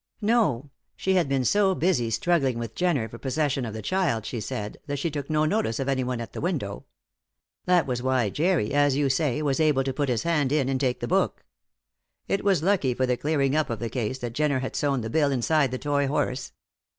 "No; she had been so busy struggling with Jenner for possession of the child, she said, that she took no notice of anyone at the window. That was why Jerry, as you say, was able to put his hand in and take the book. It was lucky for the clearing up of the case that Jenner had sewn the bill inside the toy horse.